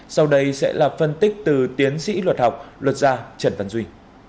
sau đây sẽ là phân tích từ tiến sĩ luật học luật gia trần văn duy